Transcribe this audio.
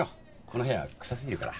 この部屋は臭すぎるから。